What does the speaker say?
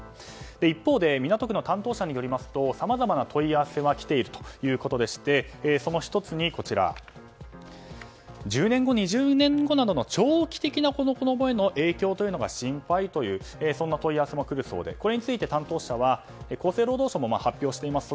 一方で港区の担当者によりますとさまざまな問い合わせが来ているということでその１つに１０年後、２０年後などの長期的な子供への影響が心配というそんな問い合わせも来るそうでこれについて担当者は厚生労働省も発表しています。